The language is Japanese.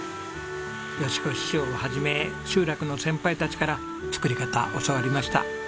好子師匠を始め集落の先輩たちから作り方教わりました。